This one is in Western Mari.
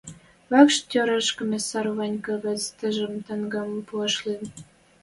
Вӓкш тӓреш Комиссар Ванька вӹц тӹжем тӓнгӓм пуаш лин